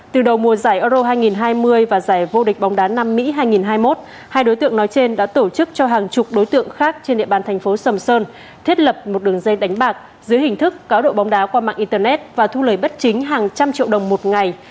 từ đầu mùa giải euro hai nghìn hai mươi và giải vô địch bóng đá nam mỹ hai nghìn hai mươi một hai đối tượng nói trên đã tổ chức cho hàng chục đối tượng khác trên địa bàn thành phố sầm sơn thiết lập một đường dây đánh bạc dưới hình thức cáo độ bóng đá qua mạng internet và thu lời bất chính hàng trăm triệu đồng một ngày